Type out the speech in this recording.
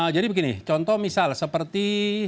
jadi begini contoh misal seperti